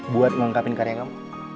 buat mengangkapin karya kamu